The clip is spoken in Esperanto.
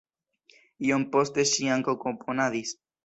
Iom poste ŝi ankaŭ komponadis.